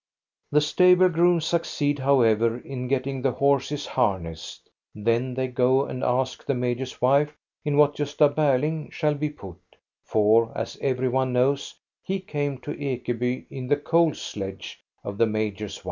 The stable grooms succeed, however, in getting the horses harnessed ; then they go and ask the major's wife in what Gosta Berling shall be put, for, as every one knows, he came to Ekeby in the coal sledge of the major's wife.